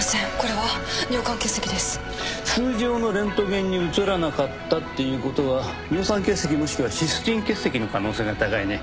通常のレントゲンに写らなかったっていうことは尿酸結石もしくはシスチン結石の可能性が高いね。